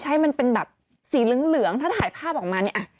ให้มันเป็นแบบสีเหลืองถ้าถ่ายภาพออกมาเนี่ย